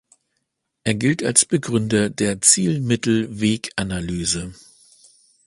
Er gilt als Begründer der Ziel-Mittel-Weg-Analyse.